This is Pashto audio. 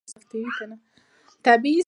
طبیعي زیرمې د افغانستان طبعي ثروت دی.